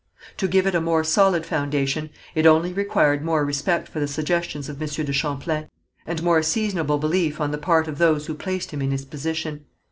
To give it a more solid foundation, it only required more respect for the suggestions of M. de Champlain, and more seasonable belief on the part of those who placed him in his position.